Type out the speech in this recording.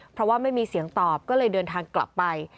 เพราะว่าไม่มีเสียงตอบก็เลยเดินทางกลับไป